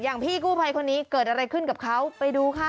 พี่กู้ภัยคนนี้เกิดอะไรขึ้นกับเขาไปดูค่ะ